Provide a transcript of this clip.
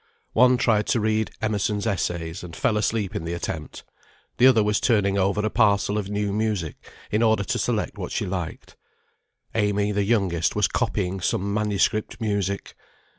One tried to read "Emerson's Essays," and fell asleep in the attempt; the other was turning over a parcel of new music, in order to select what she liked. Amy, the youngest, was copying some manuscript music.